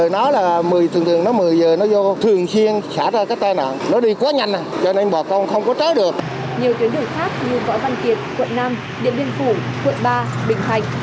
nhiều tuyến đường khác như võ văn kiệt quận năm điện biên phủ quận ba bình thạnh